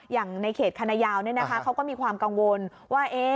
อย่างในเขตคณะยาวเขาก็มีความกังวลว่า